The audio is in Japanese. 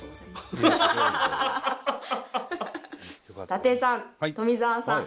伊達さん富澤さん